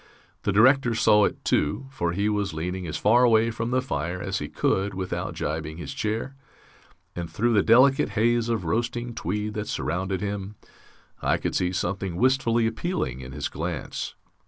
The Director saw it, too, for he was leaning as far away from the fire as he could without jibing his chair, and through the delicate haze of roasting tweed that surrounded him I could see something wistfully appealing in his glance.